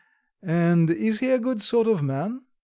And is he a good sort of man?"